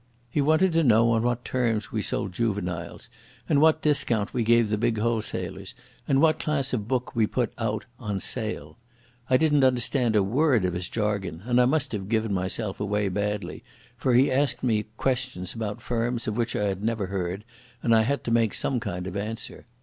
He wanted to know on what terms we sold "juveniles", and what discount we gave the big wholesalers, and what class of book we put out "on sale". I didn't understand a word of his jargon, and I must have given myself away badly, for he asked me questions about firms of which I had never heard, and I had to make some kind of answer.